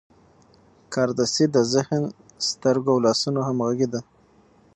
کاردستي د ذهن، سترګو او لاسونو همغږي ده.